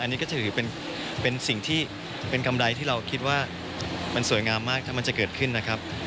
อันนี้ก็ถือเป็นสิ่งที่เป็นกำไรที่เราคิดว่ามันสวยงามมากถ้ามันจะเกิดขึ้นนะครับ